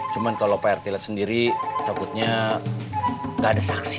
cuman kalau pak rt liat sendiri takutnya gak ada saksi